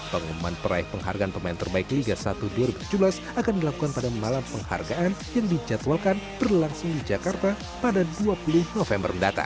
pengumuman peraih penghargaan pemain terbaik liga satu dua ribu tujuh belas akan dilakukan pada malam penghargaan yang dijadwalkan berlangsung di jakarta pada dua puluh november mendatang